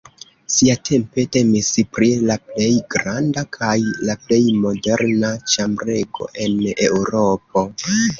Siatempe temis pri la plej granda kaj la plej moderna ĉambrego en Eŭropo.